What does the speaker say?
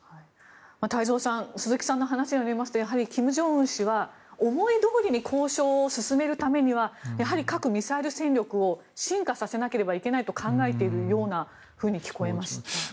太蔵さん鈴木さんの話にありましたようにやはり金正恩氏は思いどおりに交渉を進めるためにはやはり核・ミサイル戦略を進化させなければいけないと考えているように聞こえました。